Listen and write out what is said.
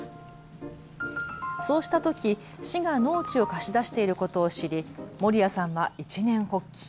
そうしたとき、市が農地を貸し出していることを知り森谷さんは一念発起。